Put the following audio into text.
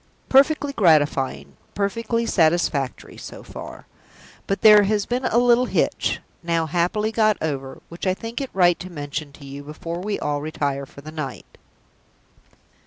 Perfectly gratifying, perfectly satisfactory, so far! But there has been a little hitch now happily got over which I think it right to mention to you before we all retire for the night."